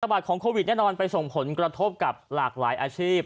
บาทของโควิดแน่นอนไปส่งผลกระทบกับหลากหลายอาชีพ